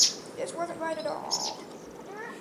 This wasn’t right at all.